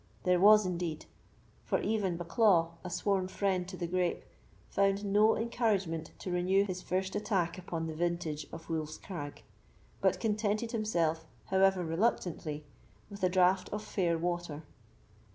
There was indeed; for even Bucklaw, a sworn friend to the grape, found no encouragement to renew his first attack upon the vintage of Wolf's Crag, but contented himself, however reluctantly, with a draught of fair water.